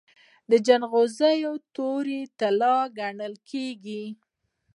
جلغوزي تورې طلا ګڼل کیږي.